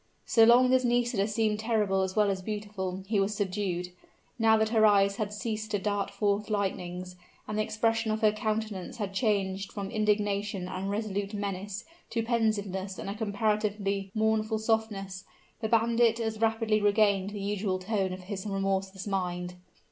So long as Nisida seemed terrible as well as beautiful, he was subdued; now that her eyes had ceased to dart forth lightnings, and the expression of her countenance had changed from indignation and resolute menace to pensiveness and a comparatively mournful softness, the bandit as rapidly regained the usual tone of his remorseless mind.